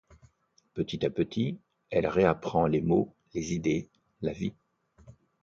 Petit à petit, elle réapprend les mots, les idées, la vie.